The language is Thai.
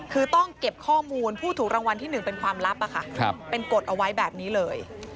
คือต้องเก็บข้อมูลผู้ถูกรางวัลที่๑เป็นความลับเป็นกฎเอาไว้แบบนี้เลย